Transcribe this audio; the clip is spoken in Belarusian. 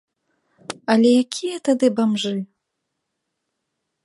Але якія тады бамжы?